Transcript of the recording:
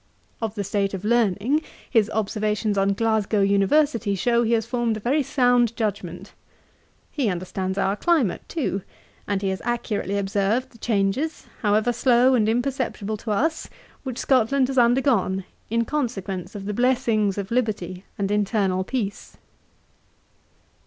Of the state of learning, his observations on Glasgow University show he has formed a very sound judgement. He understands our climate too; and he has accurately observed the changes, however slow and imperceptible to us, which Scotland has undergone, in consequence of the blessings of liberty and internal peace.'